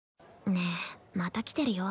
ねえまた来てるよ